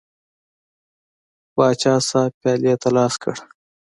پاچا صاحب پیالې ته لاس کړ.